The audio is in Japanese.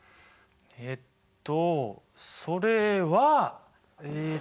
えっとそれはえっと。